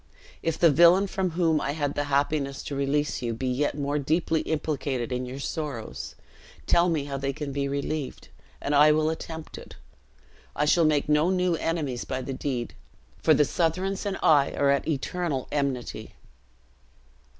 If the villain from whom I had the happiness to release you be yet more deeply implicated in your sorrows, tell me how they can be relieved, and I will attempt it. I shall make no new enemies by the deed, for the Southrons and I are at eternal enmity."